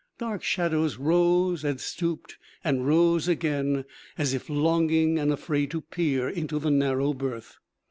Dark shadows rose and stooped and rose again as if longing and afraid to peer into the narrow berth.